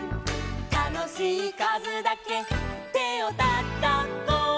「たのしいかずだけてをたたこ」